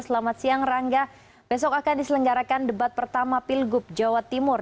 selamat siang rangga besok akan diselenggarakan debat pertama pilgub jawa timur